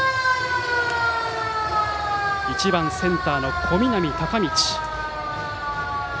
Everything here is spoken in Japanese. １番センター、小南亮太。